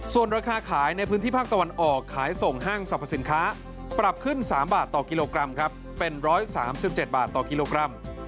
ส่วนราคาขายในพื้นที่ภาคตะวันออกขายส่งห้างสรรพสินค้าปรับขึ้น๓บาทต่อกิโลกรัมครับเป็น๑๓๗บาทต่อกิโลกรัม